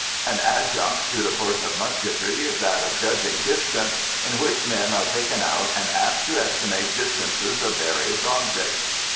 An adjunct to the course of musketry is that of judging distance, in which men are taken out and asked to estimate distances of various objects.